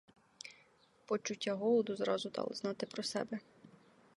Почуття голоду зразу дало знати про себе.